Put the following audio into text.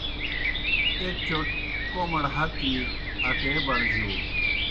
ایْک چوْٹ کوْمڑ ہت وی اکے بڑِجو۔